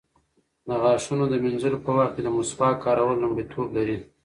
د غاښونو د مینځلو په وخت کې د مسواک کارول لومړیتوب لري.